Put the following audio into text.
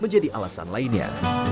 menjadi alasan lainnya